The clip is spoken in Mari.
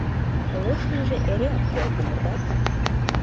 Лош лийже эреак пел кумырдат».